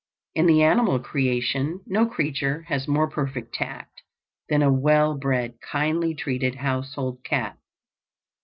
In the animal creation no creature has more perfect tact than a well bred kindly treated household cat.